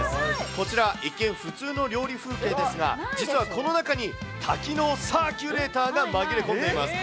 こちら、一見普通の料理風景ですが、実はこの中に、多機能サーキュレーターが紛れ込んでいます。